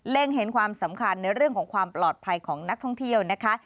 เห็นความสำคัญในเรื่องของความปลอดภัยของนักท่องเที่ยวนะคะ